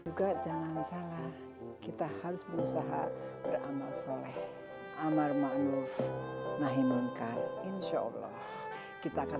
juga jangan salah kita harus berusaha beramal soleh amar ma'nuf nahi munkar insyaallah kita akan